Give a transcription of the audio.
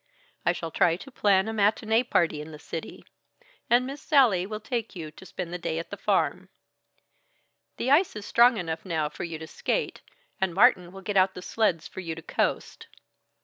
I shall try to plan a matinée party in the city, and Miss Sallie will take you to spend a day at the farm. The ice is strong enough now for you to skate, and Martin will get out the sleds for you to coast.